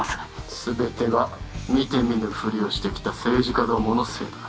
全ては見て見ぬふりをしてきた政治家どものせいだ